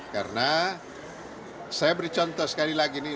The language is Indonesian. karena saya beri contoh sekali lagi ini